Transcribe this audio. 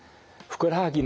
ふくらはぎ。